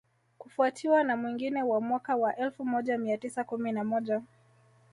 kufuatiwa na mwingine wa mwaka wa elfu moja mia tisa kumi na moja